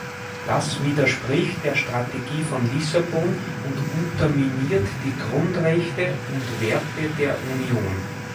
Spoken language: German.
Dies widerspricht der Strategie von Lissabon und unterminiert die Grundrechte und -werte der Union.